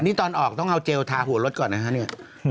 นี่ตอนออกต้องเอาเจลทาหัวรถก่อนนะฮะเนี่ย